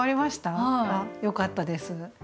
あっよかったです。